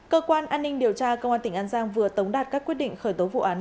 cơ quan an ninh điều tra công an tỉnh an giang vừa tống đạt các quyết định khởi tố vụ án